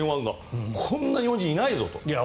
こんな日本人いないぞと。